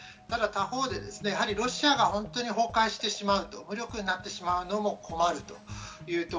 ただ他方でロシアが本当に崩壊してしまうと無力になってしまうのも困る。